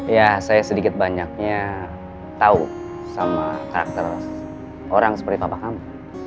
ya saya sedikit banyaknya tahu sama karakter orang seperti papa kamu